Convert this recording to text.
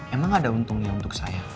emang ada untungnya untuk saya